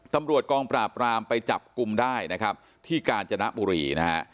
ตำรวจกองปราบรามไปจับกลุ่มได้นะครับที่กาญจนบุรีนะฮะ